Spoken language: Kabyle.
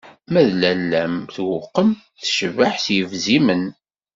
Ma d lalla-m tewqem, tecbeḥ s yebzimen.